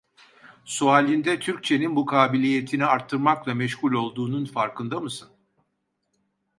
Sualinde Türkçenin bu kabiliyetini artırmakla meşgul olduğunun farkında mısın?